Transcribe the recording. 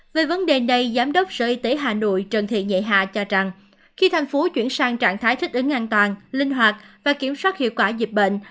về vấn đề này giám đốc sở y tế hà nội trần thị nhạy hà cho rằng khi thành phố chuyển sang trạng thái thích ứng an toàn linh hoạt và kiểm soát hiệu quả dịch bệnh